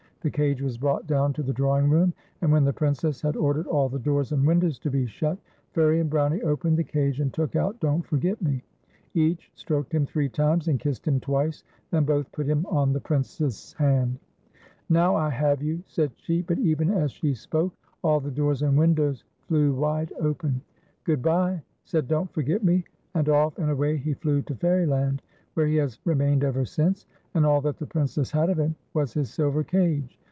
The cage was brought down to the drawing room ; and when the Princess had ordered all the doors and windows to be shut, Fairie and Brownie opened the cage and took out Don't Forget Me. Each stroked him three times and kissed him twice, then both put him on the Princess' hand. " Now I have you," said she. But even as she spoke all the doors and windows flew wide open. 196 FAIRIE AND BROWNIE. " Good bye," said Don't Forget Me ; and off and away he flew to Fairyland, where he has remained ever since, and all that the Princess had of him was his silver cage.